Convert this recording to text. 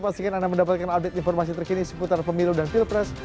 pastikan anda mendapatkan update informasi terkini seputar pemilu dan pilpres